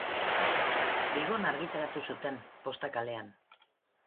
Bilbon argitaratu zuten, Posta kalean.